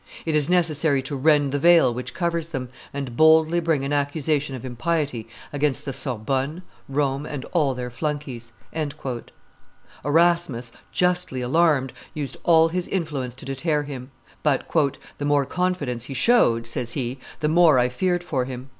It is necessary to rend the veil which covers them, and boldly bring an accusation of impiety against the Sorbonne, Rome, and all their flunkies." Erasmus, justly alarmed, used all his influence to deter him: but "the more confidence he showed," says he, "the more I feared for him.